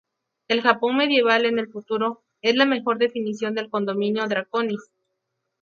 El Japón medieval en el futuro, es la mejor definición del Condominio Draconis.